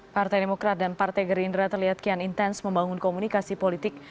partai demokrat dan partai gerindra terlihat kian intens membangun komunikasi politik